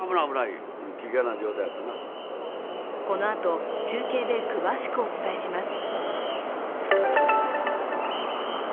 このあと、中継で詳しくお伝えします。